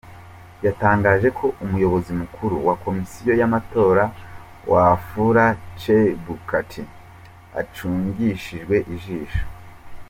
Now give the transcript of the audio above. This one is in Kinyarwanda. Yatangaje ko Umuyobozi Mukuru wa Komisiyo y’Amatora, Wafula Chebukati, acungishijwe ijisho.